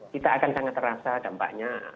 kita akan sangat terasa dampaknya